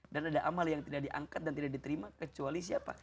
dan ada amal yang tidak diangkat dan tidak diterima kecuali siapa